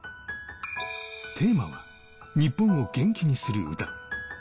テーマは日本を元気にする歌。